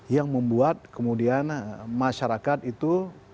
yang membuat kemudian masyarakat itu